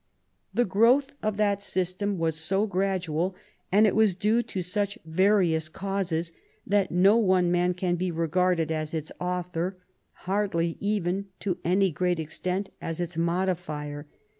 The growth of that system was so gradual, and it was due to such various causes, that no one man can be regarded as its author, hardly even to any jrreat extent as its modifier.